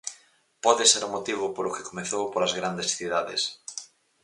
Pode ser o motivo polo que comezou polas grandes cidades.